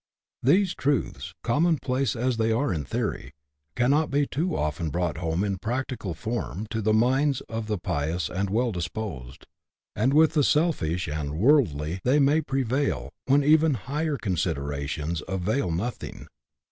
These truths, commonplace as they are in theory, cannot be too often brought home in a practical form to the minds of the pious and well disposed ; and with the selfish and worldly they may prevail when even higher considerations avail nothing.